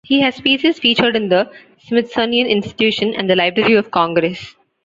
He has pieces featured in the Smithsonian Institution and the Library of Congress.